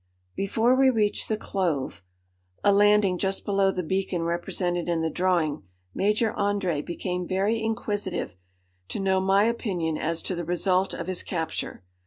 "Before we reached the Clove" (a landing just below the beacon represented in the drawing,) "Major André became very inquisitive to know my opinion as to the result of his capture.